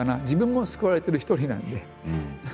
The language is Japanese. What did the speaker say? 自分も救われてる一人なんで。